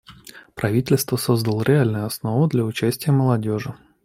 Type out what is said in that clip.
Правительство создало реальную основу для участия молодежи.